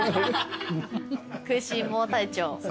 食いしん坊隊長。